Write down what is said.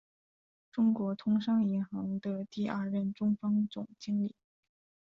中国通商银行的第二任中方总经理。